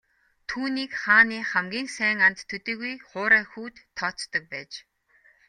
Түүнийг хааны хамгийн сайн анд төдийгүй хуурай хүүд тооцдог байж.